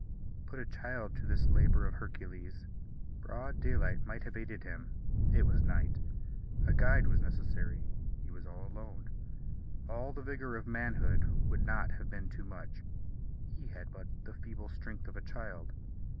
Put a child to this labour of Hercules. Broad daylight might have aided him. It was night. A guide was necessary. He was alone. All the vigour of manhood would not have been too much. He had but the feeble strength of a child.